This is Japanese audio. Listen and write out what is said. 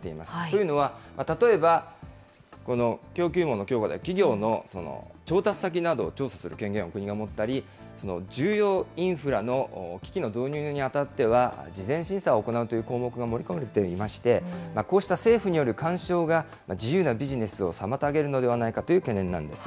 というのは、例えば、この供給網の強化で、企業の調達先などを調査する権限を国が持ったり、重要インフラの機器の導入にあたっては、事前審査を行うという項目が盛り込まれておりまして、こうした政府による干渉が自由なビジネスを妨げるのではないかという懸念なんです。